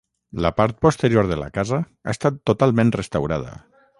La part posterior de la casa ha estat totalment restaurada.